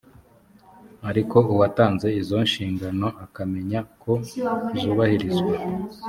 ariko uwatanze izo nshingano akamenya ko zubahirizwa